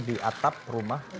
di atap rumah